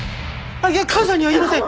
いや母さんには言いません！